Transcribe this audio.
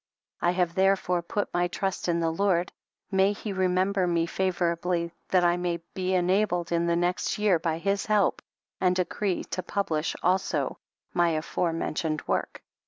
I have therefore put my trust in the Lord, may he remember me favor ably, that I may be enabled in the next year by his help and decree to publish also my afore mentioned work.